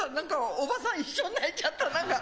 おばさん一緒に泣いちゃった。